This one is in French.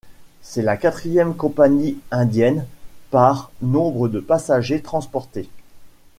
C'est la quatrième compagnie indienne par nombre de passagers transportés.